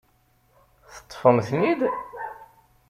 Teṭṭfem-ten-id?